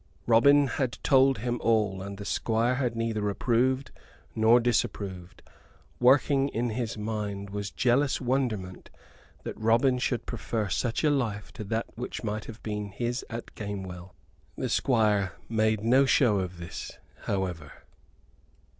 Robin had told him all, and the Squire had neither approved nor disapproved. Working in his mind was jealous wonderment that Robin should prefer such a life to that which might have been his at Gamewell. The Squire made no show of this, however.